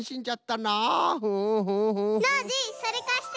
ノージーそれかして。